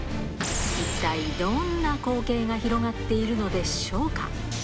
一体どんな光景が広がっているのでしょうか。